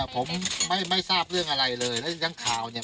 ทำได้เรื่องอะไรเลยและดังนั้นข่าวเนี่ย